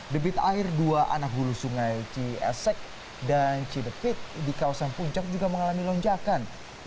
debit air dua anak hulu sungai ciesek dan cidepit di kawasan puncak juga mengalami lonjakan